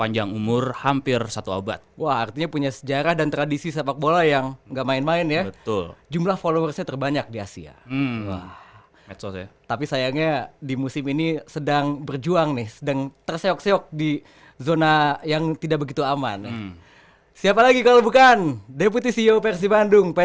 jumlah followers terbanyak di asia